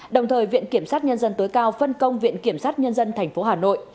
đồng thời viện kiểm sát nhân dân tối cao phân công viện kiểm sát nhân dân tp hà nội